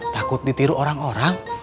takut ditiru orang orang